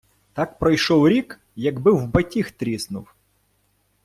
Так пройшов рік, якби в батіг тріснув.